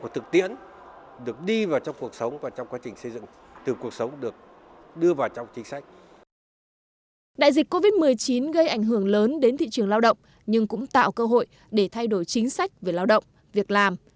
đại dịch covid một mươi chín gây ảnh hưởng lớn đến thị trường lao động nhưng cũng tạo cơ hội để thay đổi chính sách về lao động việc làm